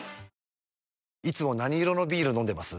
いつも何色のビール飲んでます？